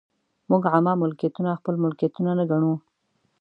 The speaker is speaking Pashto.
موږ عامه ملکیتونه خپل ملکیتونه نه ګڼو.